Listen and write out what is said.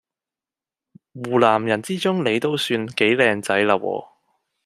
湖南人之中你都算幾靚仔喇喎